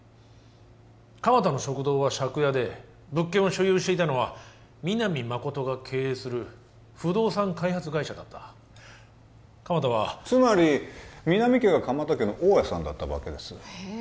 鎌田の食堂は借家で物件を所有していたのは皆実誠が経営する不動産開発会社だった鎌田はつまり皆実家が鎌田家の大家さんだったわけですへえ